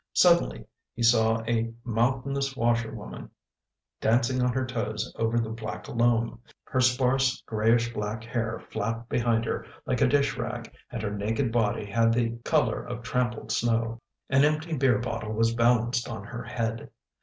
Suddenly he saw a mountainous washerwoman dancing on her toes over the black loam. Her sparse grayish black hair flapped behind her like a dishrag and her naked body had the color of trampled snow. An empty beer bottle was balanced on her head.